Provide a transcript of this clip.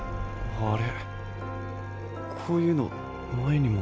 あれ？